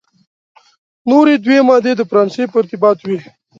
نوري دوې مادې د فرانسې په ارتباط وې.